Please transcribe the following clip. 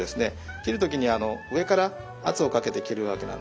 切る時に上から圧をかけて切るわけなんですね。